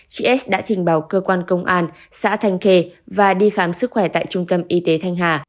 chị s đã trình báo cơ quan công an xã thanh khê và đi khám sức khỏe tại trung tâm y tế thanh hà